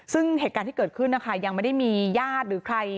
ซึ่งเหตุการณ์ที่เกิดขึ้นนะคะยังไม่ได้มีญาติหรือใคร